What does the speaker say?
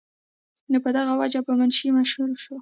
او پۀ دغه وجه پۀ منشي مشهور شو ۔